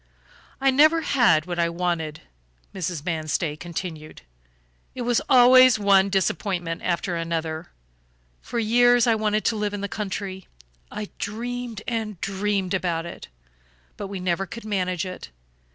"I never had what I wanted," Mrs. Manstey continued. "It was always one disappointment after another. For years I wanted to live in the country. I dreamed and dreamed about it; but we never could manage it.